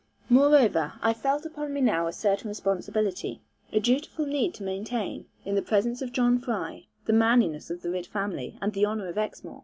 Moreover, I felt upon me now a certain responsibility, a dutiful need to maintain, in the presence of John Fry, the manliness of the Ridd family, and the honour of Exmoor.